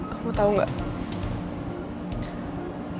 kamu tahu nggak